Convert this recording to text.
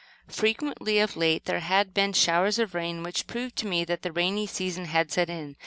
Frequently, of late, there had been showers of rain, which proved to me that the rainy season had set in.